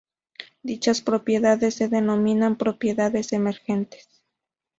Dichas propiedades se denominan propiedades emergentes.